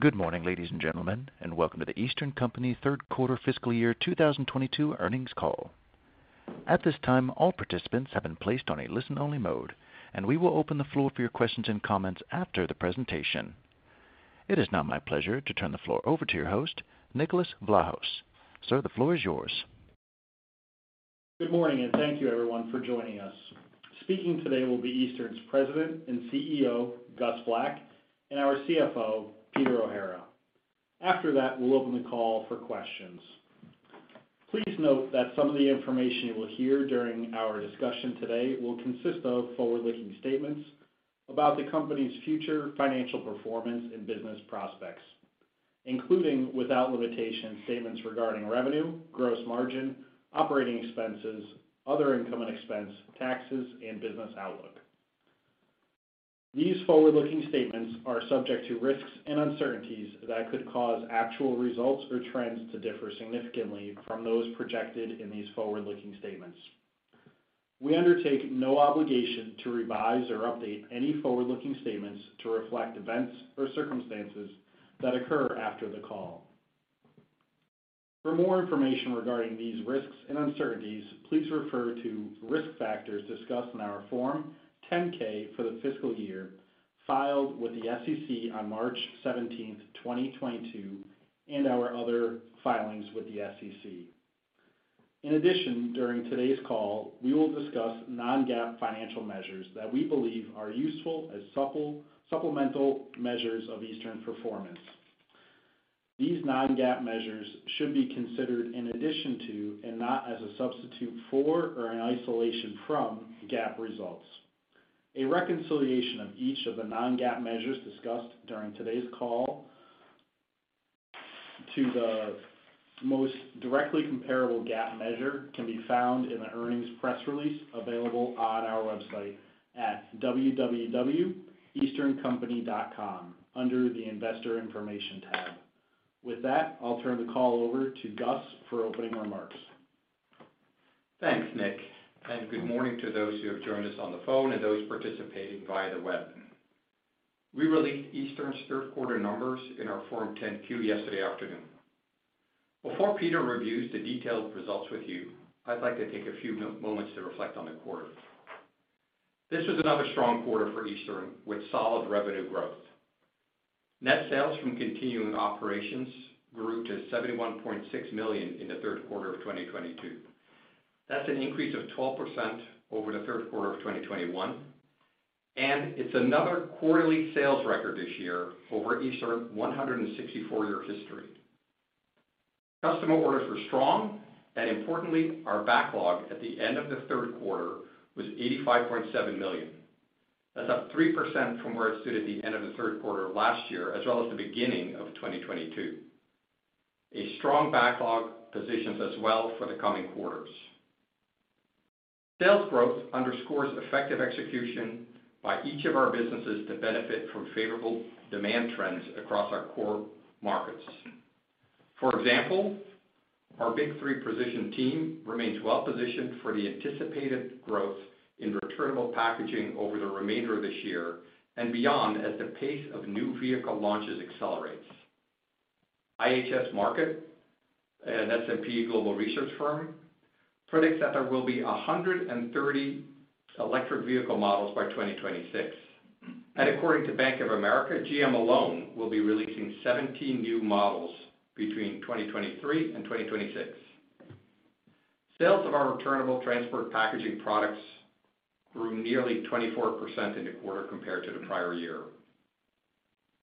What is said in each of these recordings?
Good morning, ladies and gentlemen, and welcome to The Eastern Company third quarter fiscal year 2022 earnings call. At this time, all participants have been placed on a listen-only mode, and we will open the floor for your questions and comments after the presentation. It is now my pleasure to turn the floor over to your host, Nicholas Vlahos. Sir, the floor is yours. Good morning, and thank you everyone for joining us. Speaking today will be Eastern's President and CEO, Gus Vlak, and our CFO, Peter O'Hara. After that, we'll open the call for questions. Please note that some of the information you will hear during our discussion today will consist of forward-looking statements about the company's future financial performance and business prospects, including, without limitation, statements regarding revenue, gross margin, operating expenses, other income and expense, taxes, and business outlook. These forward-looking statements are subject to risks and uncertainties that could cause actual results or trends to differ significantly from those projected in these forward-looking statements. We undertake no obligation to revise or update any forward-looking statements to reflect events or circumstances that occur after the call. For more information regarding these risks and uncertainties, please refer to risk factors discussed in our Form 10-K for the fiscal year filed with the SEC on March 17th, 2022, and our other filings with the SEC. In addition, during today's call, we will discuss non-GAAP financial measures that we believe are useful as supplemental measures of Eastern performance. These non-GAAP measures should be considered in addition to, and not as a substitute for or in isolation from, GAAP results. A reconciliation of each of the non-GAAP measures discussed during today's call to the most directly comparable GAAP measure can be found in the earnings press release available on our website at www.easterncompany.com under the Investor Information tab. With that, I'll turn the call over to Gus for opening remarks. Thanks, Nick, and good morning to those who have joined us on the phone and those participating via the web. We released Eastern's third quarter numbers in our Form 10-Q yesterday afternoon. Before Peter reviews the detailed results with you, I'd like to take a few moments to reflect on the quarter. This was another strong quarter for Eastern, with solid revenue growth. Net sales from continuing operations grew to $71.6 million in the third quarter of 2022. That's an increase of 12% over the third quarter of 2021, and it's another quarterly sales record this year over Eastern's 164-year history. Customer orders were strong, and importantly, our backlog at the end of the third quarter was $85.7 million. That's up 3% from where it stood at the end of the third quarter last year, as well as the beginning of 2022. A strong backlog positions us well for the coming quarters. Sales growth underscores effective execution by each of our businesses to benefit from favorable demand trends across our core markets. For example, our Big 3 Precision team remains well-positioned for the anticipated growth in returnable packaging over the remainder of this year and beyond as the pace of new vehicle launches accelerates. IHS Markit, an S&P Global research firm, predicts that there will be 130 electric vehicle models by 2026. According to Bank of America, GM alone will be releasing 17 new models between 2023 and 2026. Sales of our returnable transport packaging products grew nearly 24% in the quarter compared to the prior year.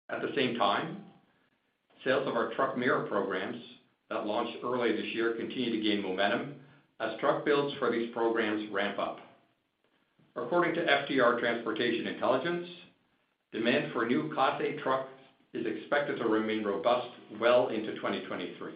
At the same time, sales of our truck mirror programs that launched early this year continue to gain momentum as truck builds for these programs ramp up. According to FTR Transportation Intelligence, demand for new Class 8 trucks is expected to remain robust well into 2023.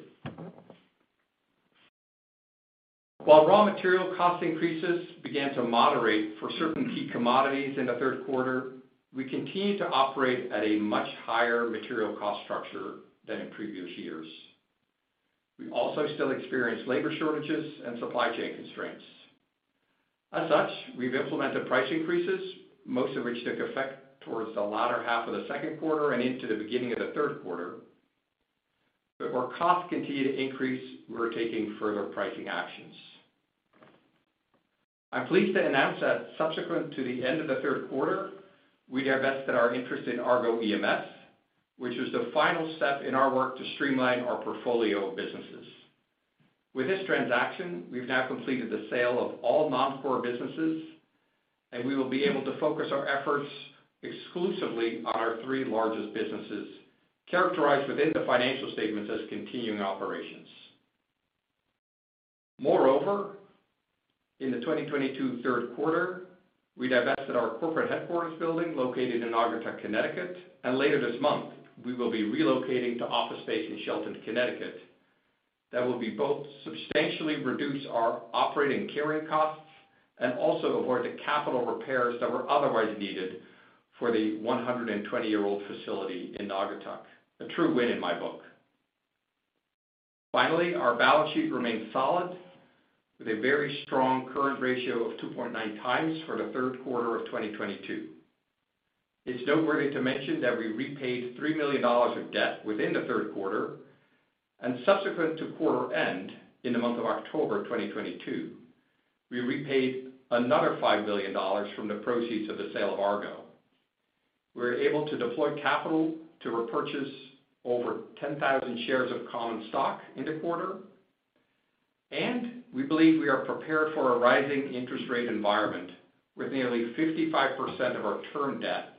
While raw material cost increases began to moderate for certain key commodities in the third quarter, we continue to operate at a much higher material cost structure than in previous years. We also still experience labor shortages and supply chain constraints. As such, we've implemented price increases, most of which took effect towards the latter half of the second quarter and into the beginning of the third quarter. Where costs continue to increase, we're taking further pricing actions. I'm pleased to announce that subsequent to the end of the third quarter, we divested our interest in Argo EMS, which was the final step in our work to streamline our portfolio of businesses. With this transaction, we've now completed the sale of all non-core businesses, we will be able to focus our efforts exclusively on our three largest businesses, characterized within the financial statements as continuing operations. Moreover, in the 2022 third quarter, we divested our corporate headquarters building located in Naugatuck, Connecticut, and later this month, we will be relocating to office space in Shelton, Connecticut. That will both substantially reduce our operating carrying costs and also avoid the capital repairs that were otherwise needed for the 120-year-old facility in Naugatuck. A true win in my book. Finally, our balance sheet remains solid with a very strong current ratio of 2.9 times for the third quarter of 2022. It's noteworthy to mention that we repaid $3 million of debt within the third quarter. Subsequent to quarter end, in the month of October 2022, we repaid another $5 million from the proceeds of the sale of Argo. We were able to deploy capital to repurchase over 10,000 shares of common stock in the quarter, we believe we are prepared for a rising interest rate environment with nearly 55% of our term debt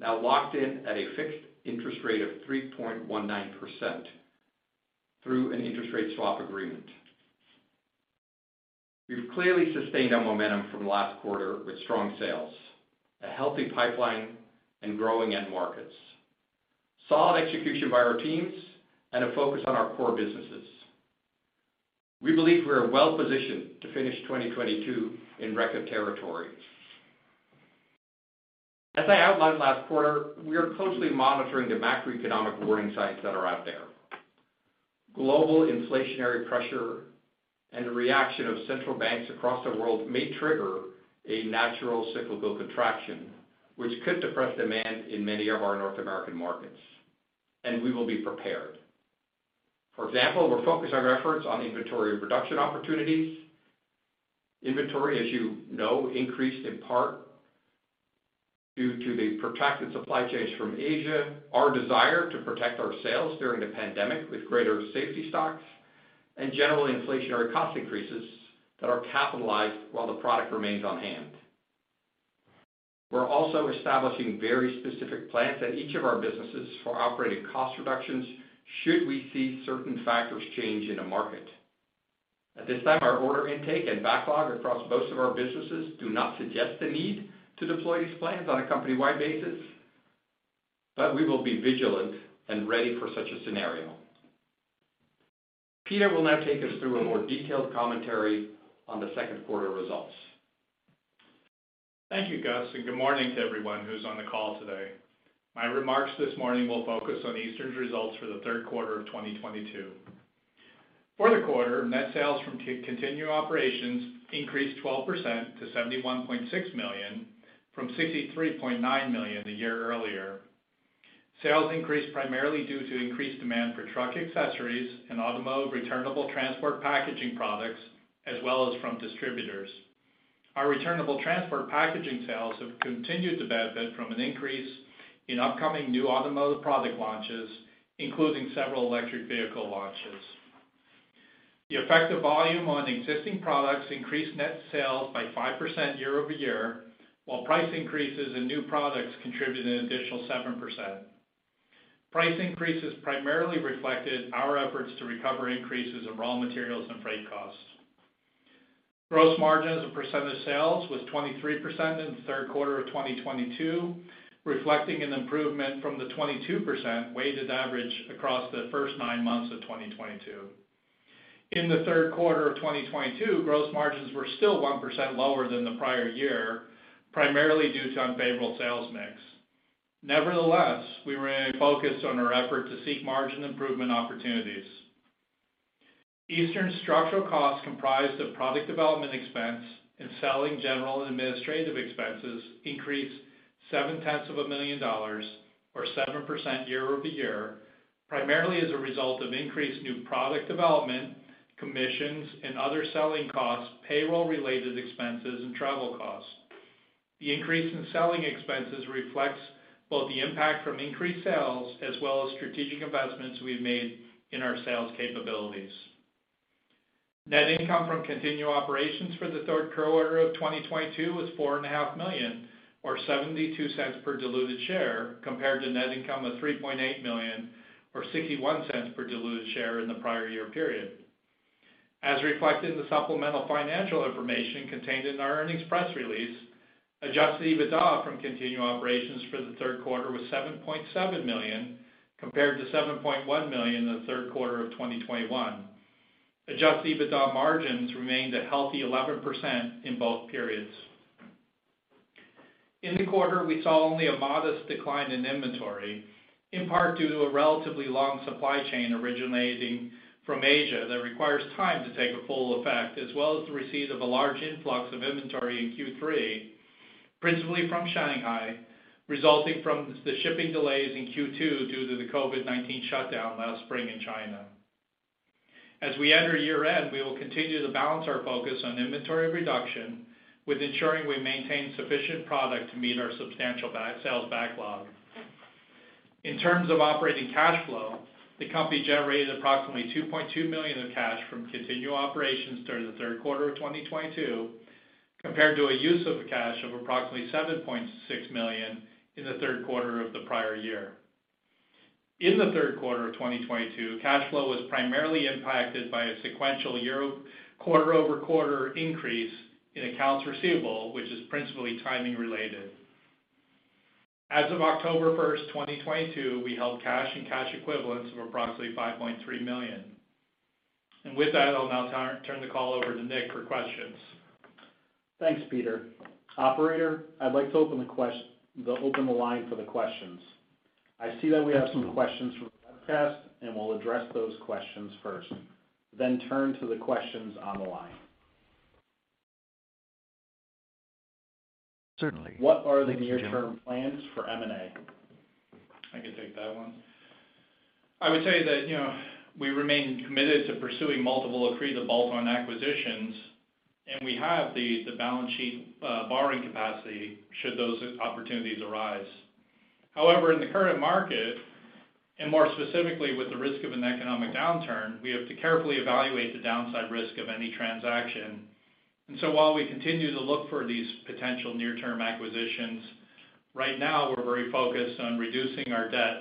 now locked in at a fixed interest rate of 3.19% through an interest rate swap agreement. We've clearly sustained our momentum from last quarter with strong sales, a healthy pipeline, and growing end markets, solid execution by our teams, and a focus on our core businesses. We believe we are well-positioned to finish 2022 in record territory. As I outlined last quarter, we are closely monitoring the macroeconomic warning signs that are out there. Global inflationary pressure and the reaction of central banks across the world may trigger a natural cyclical contraction, which could depress demand in many of our North American markets. We will be prepared. For example, we're focusing our efforts on inventory reduction opportunities. Inventory, as you know, increased in part due to the protracted supply chains from Asia, our desire to protect our sales during the pandemic with greater safety stocks. Generally inflationary cost increases that are capitalized while the product remains on hand. We're also establishing very specific plans at each of our businesses for operating cost reductions should we see certain factors change in the market. At this time, our order intake and backlog across most of our businesses do not suggest the need to deploy these plans on a company-wide basis. We will be vigilant and ready for such a scenario. Peter will now take us through a more detailed commentary on the second quarter results. Thank you, Gus, and good morning to everyone who's on the call today. My remarks this morning will focus on Eastern's results for the third quarter of 2022. For the quarter, net sales from continuing operations increased 12% to $71.6 million from $63.9 million a year earlier. Sales increased primarily due to increased demand for truck accessories and automotive returnable transport packaging products, as well as from distributors. Our returnable transport packaging sales have continued to benefit from an increase in upcoming new automotive product launches, including several electric vehicle launches. The effect of volume on existing products increased net sales by 5% year-over-year, while price increases in new products contributed an additional 7%. Price increases primarily reflected our efforts to recover increases in raw materials and freight costs. Gross margin as a percentage of sales was 23% in the third quarter of 2022, reflecting an improvement from the 22% weighted average across the first nine months of 2022. In the third quarter of 2022, gross margins were still 1% lower than the prior year, primarily due to unfavorable sales mix. Nevertheless, we remain focused on our effort to seek margin improvement opportunities. Eastern's structural costs comprised of product development expense and selling general and administrative expenses increased $0.7 million or 7% year-over-year, primarily as a result of increased new product development, commissions, and other selling costs, payroll related expenses, and travel costs. The increase in selling expenses reflects both the impact from increased sales as well as strategic investments we've made in our sales capabilities. Net income from continuing operations for the third quarter of 2022 was $4.5 million or $0.72 per diluted share, compared to net income of $3.8 million or $0.61 per diluted share in the prior year period. As reflected in the supplemental financial information contained in our earnings press release, adjusted EBITDA from continuing operations for the third quarter was $7.7 million, compared to $7.1 million in the third quarter of 2021. Adjusted EBITDA margins remained a healthy 11% in both periods. In the quarter, we saw only a modest decline in inventory, in part due to a relatively long supply chain originating from Asia that requires time to take a full effect, as well as the receipt of a large influx of inventory in Q3, principally from Shanghai, resulting from the shipping delays in Q2 due to the COVID-19 shutdown last spring in China. As we enter year-end, we will continue to balance our focus on inventory reduction with ensuring we maintain sufficient product to meet our substantial sales backlog. In terms of operating cash flow, the company generated approximately $2.2 million of cash from continuing operations during the third quarter of 2022, compared to a use of cash of approximately $7.6 million in the third quarter of the prior year. In the third quarter of 2022, cash flow was primarily impacted by a sequential quarter-over-quarter increase in accounts receivable, which is principally timing related. As of October 1st, 2022, we held cash and cash equivalents of approximately $5.3 million. With that, I'll now turn the call over to Nick for questions. Thanks, Peter. Operator, I'd like to open the line for the questions. I see that we have some questions from the webcast. We'll address those questions first, then turn to the questions on the line. Certainly. Thank you, gentlemen. What are the near-term plans for M&A? I can take that one. I would say that we remain committed to pursuing multiple accretive bolt-on acquisitions, and we have the balance sheet borrowing capacity should those opportunities arise. However, in the current market, and more specifically with the risk of an economic downturn, we have to carefully evaluate the downside risk of any transaction. While we continue to look for these potential near-term acquisitions, right now we're very focused on reducing our debt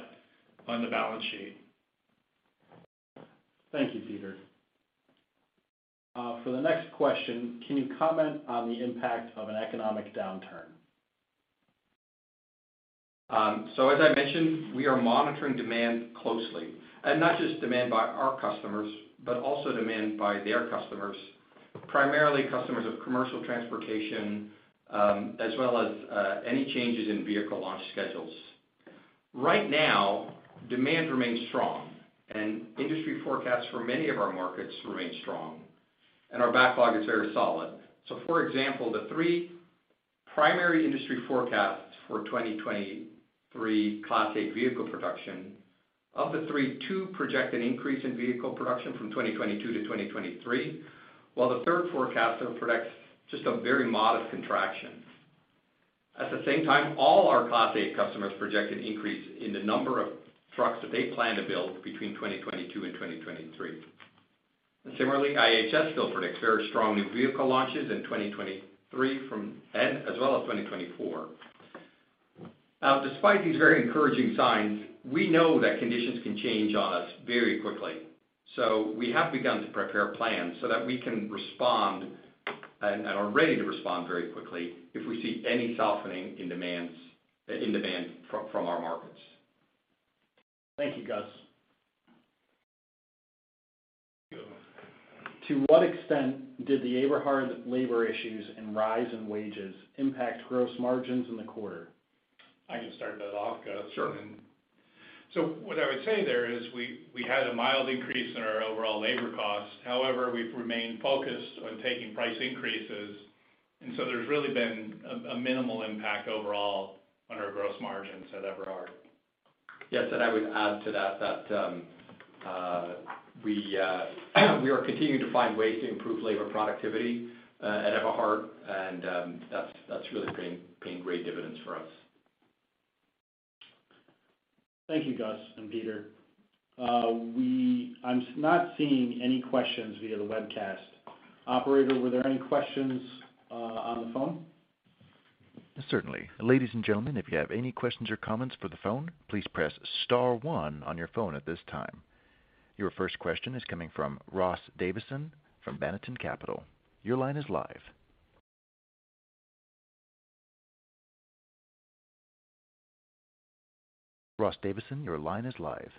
on the balance sheet. Thank you, Peter. For the next question, can you comment on the impact of an economic downturn? As I mentioned, we are monitoring demand closely, and not just demand by our customers, but also demand by their customers, primarily customers of commercial transportation, as well as any changes in vehicle launch schedules. Right now, demand remains strong, and industry forecasts for many of our markets remain strong, and our backlog is very solid. For example, the three primary industry forecasts for 2023 Class 8 vehicle production, of the three, two project an increase in vehicle production from 2022 to 2023, while the third forecast projects just a very modest contraction. At the same time, all our Class 8 customers project an increase in the number of trucks that they plan to build between 2022 and 2023. Similarly, IHS still predicts very strong new vehicle launches in 2023, as well as 2024. Now, despite these very encouraging signs, we know that conditions can change on us very quickly, so we have begun to prepare plans so that we can respond, and are ready to respond very quickly if we see any softening in demand from our markets. Thank you, Gus. To what extent did the Eberhard labor issues and rise in wages impact gross margins in the quarter? I can start that off, Gus. Sure. What I would say there is we had a mild increase in our overall labor costs. However, we've remained focused on taking price increases, and so there's really been a minimal impact overall on our gross margins at Eberhard. Yes, I would add to that we are continuing to find ways to improve labor productivity at Eberhard, and that's really paying great dividends for us. Thank you, Gus and Peter. I'm not seeing any questions via the webcast. Operator, were there any questions on the phone? Certainly. Ladies and gentlemen, if you have any questions or comments for the phone, please press *1 on your phone at this time. Your first question is coming from Ross Davisson from Banneton Capital. Your line is live. Ross Davisson, your line is live.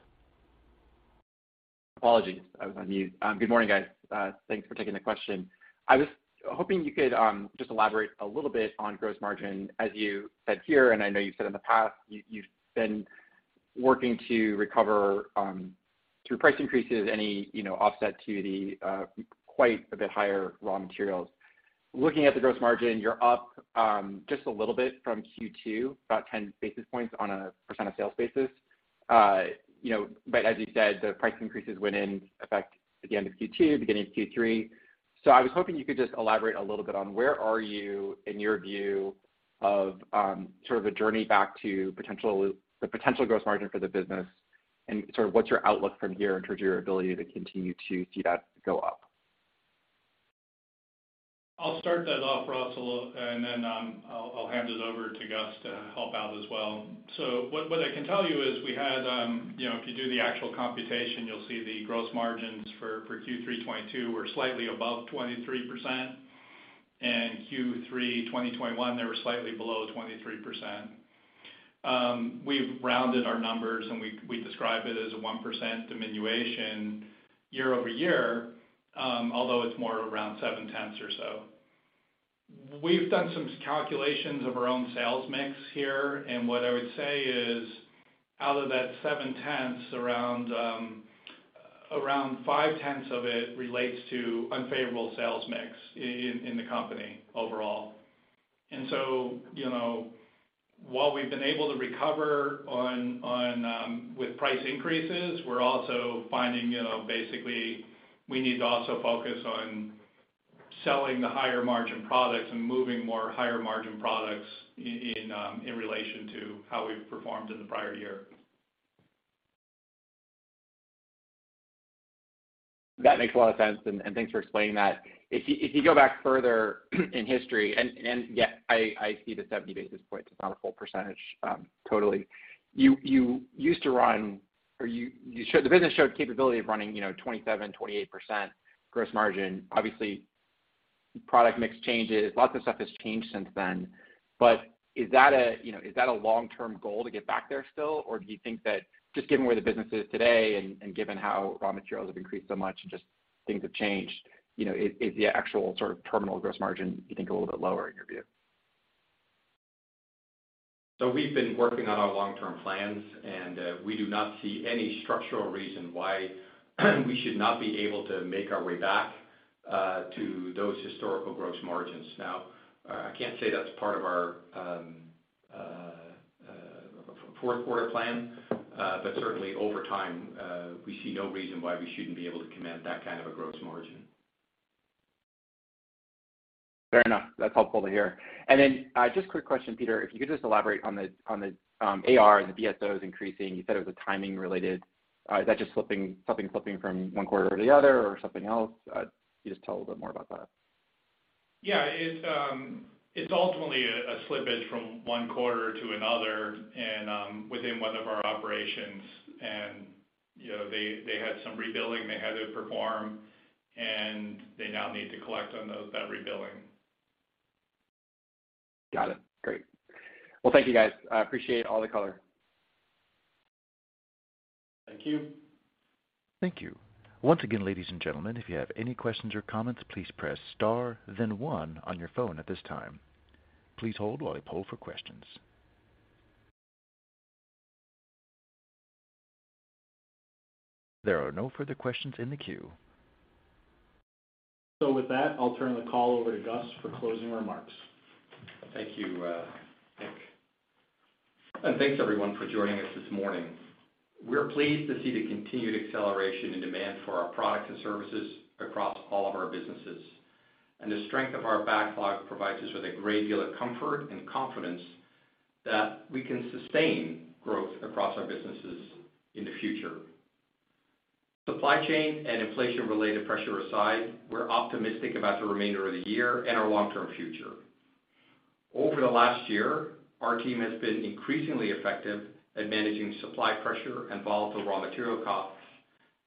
Apologies, I was on mute. Good morning, guys. Thanks for taking the question. I was hoping you could just elaborate a little bit on gross margin. As you said here, and I know you've said in the past, you've been working to recover through price increases any offset to the quite a bit higher raw materials. Looking at the gross margin, you're up just a little bit from Q2, about 10 basis points on a % of sales basis. As you said, the price increases went in effect at the end of Q2, beginning of Q3. I was hoping you could just elaborate a little bit on where are you in your view of sort of the journey back to the potential gross margin for the business, and sort of what's your outlook from here in terms of your ability to continue to see that go up? I'll start that off, Ross, and then I'll hand it over to Gus to help out as well. What I can tell you is if you do the actual computation, you'll see the gross margins for Q3 2022 were slightly above 23%, and Q3 2021, they were slightly below 23%. We've rounded our numbers, and we describe it as a 1% diminution year-over-year, although it's more around seven tenths or so. We've done some calculations of our own sales mix here, and what I would say is out of that seven tenths, around five tenths of it relates to unfavorable sales mix in the company overall. While we've been able to recover with price increases, we're also finding basically we need to also focus on selling the higher margin products and moving more higher margin products in relation to how we've performed in the prior year. That makes a lot of sense, and thanks for explaining that. If you go back further in history, and yeah, I see the 70 basis points. It's not a full percentage totally. The business showed capability of running 27%, 28% gross margin. Obviously, product mix changes. Lots of stuff has changed since then. Is that a long-term goal to get back there still? Do you think that just given where the business is today and given how raw materials have increased so much and just things have changed, is the actual sort of terminal gross margin you think a little bit lower in your view? We've been working on our long-term plans, and we do not see any structural reason why we should not be able to make our way back to those historical gross margins. Now, I can't say that's part of our fourth quarter plan. Certainly over time, we see no reason why we shouldn't be able to command that kind of a gross margin. Fair enough. That's helpful to hear. Just quick question, Peter, if you could just elaborate on the AR and the DSOs increasing. You said it was timing related. Is that just something flipping from one quarter to the other or something else? Can you just tell a little bit more about that? Yeah. It's ultimately a slippage from one quarter to another and within one of our operations. They had some rebilling they had to perform, and they now need to collect on that rebilling. Got it. Great. Well, thank you guys. I appreciate all the color. Thank you. Thank you. Once again, ladies and gentlemen, if you have any questions or comments, please press star then one on your phone at this time. Please hold while we poll for questions. There are no further questions in the queue. With that, I'll turn the call over to Gus for closing remarks. Thank you, Nick. Thanks, everyone, for joining us this morning. We're pleased to see the continued acceleration and demand for our products and services across all of our businesses. The strength of our backlog provides us with a great deal of comfort and confidence that we can sustain growth across our businesses in the future. Supply chain and inflation-related pressure aside, we're optimistic about the remainder of the year and our long-term future. Over the last year, our team has been increasingly effective at managing supply pressure and volatile raw material costs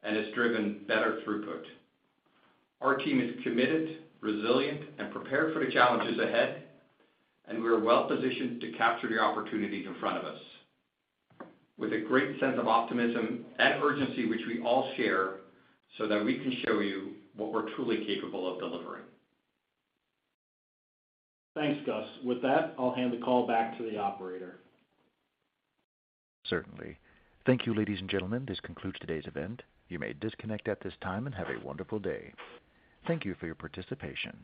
and has driven better throughput. Our team is committed, resilient, and prepared for the challenges ahead, and we are well-positioned to capture the opportunities in front of us with a great sense of optimism and urgency, which we all share so that we can show you what we're truly capable of delivering. Thanks, Gus. With that, I'll hand the call back to the operator. Certainly. Thank you, ladies and gentlemen. This concludes today's event. You may disconnect at this time, and have a wonderful day. Thank you for your participation.